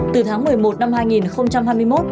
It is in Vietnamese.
từ tháng một mươi một năm hai nghìn hai mươi một